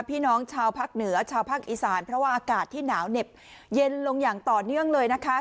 พี่น้องชาวภาคเหนือชาวภาคอีสานเพราะว่าอากาศที่หนาวเหน็บเย็นลงอย่างต่อเนื่องเลยนะคะ